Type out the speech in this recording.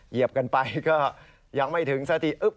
เหยียบกันไปก็ยังไม่ถึงสักทีอึ๊บ